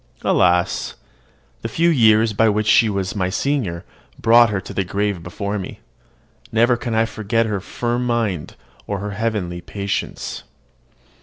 Alas! the few years by which she was my senior brought her to the grave before me. Never can I forget her firm mind or her heavenly patience.